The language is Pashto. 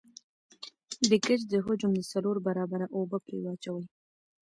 د ګچ د حجم د څلور برابره اوبه پرې واچوئ.